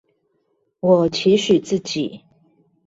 我期許自己